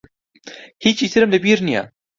هیچی ترم لە بیر نییە.